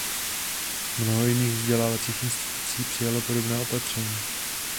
Mnoho jiných vzdělávacích institucí přijalo podobná opatření.